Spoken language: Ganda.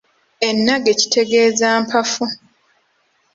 Ennage kitegeeza Mpafu.